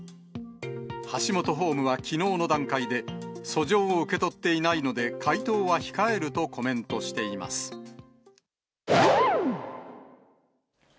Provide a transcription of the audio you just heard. ハシモトホームはきのうの段階で、訴状を受け取っていないので、回答は控えるとコメントしています。